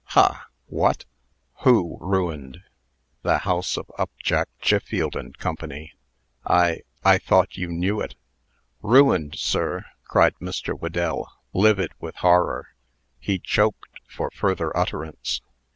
"Ha! What! Who ruined?" "The house of Upjack, Chiffield & Co. I I thought you knew it." "Ruined, sir!" cried Mr. Whedell, livid with horror. He choked for further utterance.